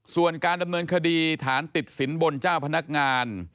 ส่วนการดำเนินคดีฐานติดสินบนเจ้าพนักงาน